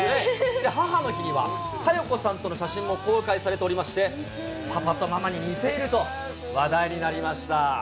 母の日には、加代子さんとの写真も公開されておりまして、パパとママに似ていると話題になりました。